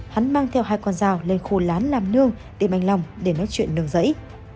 hắn mang theo hai con rào lên khu lán làm nương tìm anh long để nói chuyện nương dẫy